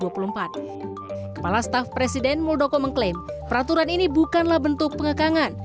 kepala staff presiden muldoko mengklaim peraturan ini bukanlah bentuk pengekangan